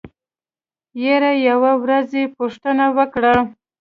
يره يوه ورځ يې پوښتنه وکړه.